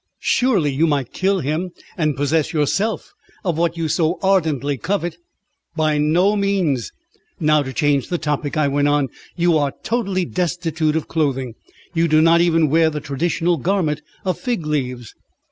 Surely you might kill him and possess yourself of what you so ardently covet?" "By no means. Now, to change the topic," I went on, "you are totally destitute of clothing. You do not even wear the traditional garment of fig leaves."